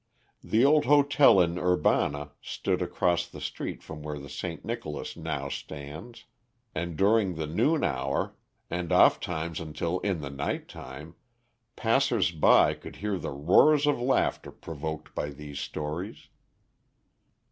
The old hotel in Urbana, stood across the street from where the St. Nicholas now stands; and during the noon hour, and oft times until in the night time, passers by could hear the roars of laughter provoked by these stories.